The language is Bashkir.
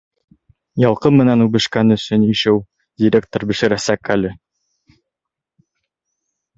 Ялҡын менән үбешкән өсөн ишеү директор бешерәсәк әле.